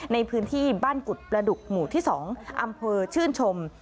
ในพื้นที่บ้านกุฎประดุกหมู่ที่๒อำเภอชื่นชม